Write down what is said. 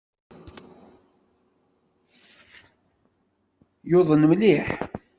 Yuḍen mliḥ.